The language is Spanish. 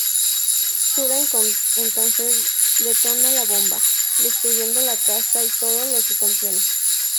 Shura entonces detona la bomba, destruyendo la casa y todo lo que contiene.